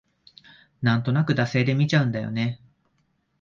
なんとなく惰性で見ちゃうんだよね